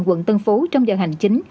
quận tân phú trong giờ hành chính